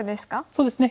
そうですね